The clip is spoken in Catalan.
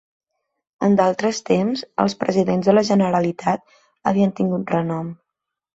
En d'altres temps, els presidents de la Generalitat havien tingut renom.